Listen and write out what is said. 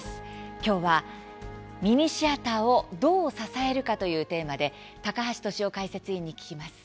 今日は「ミニシアターをどう支えるか」というテーマで高橋俊雄解説委員に聞きます。